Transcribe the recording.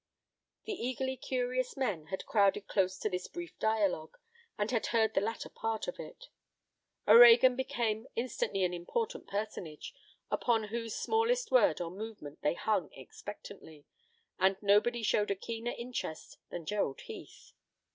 The eagerly curious men had crowded close to this brief dialogue, and had heard the latter part of it. O'Reagan became instantly an important personage, upon whose smallest word or movement they hung expectantly, and nobody showed a keener interest than Gerald Heath.